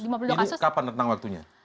jadi kapan rentang waktunya